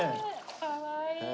かわいい！